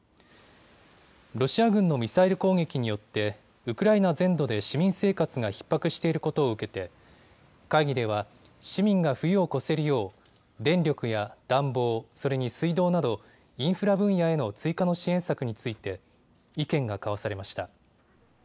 ロシア軍のミサイル攻撃によってウクライナ全土で市民生活がひっ迫していることを受けて会議では市民が冬を越せるよう電力や暖房、それに水道などインフラ分野への追加の支援策について意見が交わされました。